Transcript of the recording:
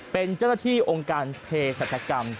เป็นเจ้าหน้าที่องค์การเพศรัชกรรม